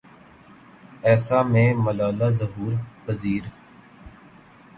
اَیسا میں ملالہ ظہور پزیر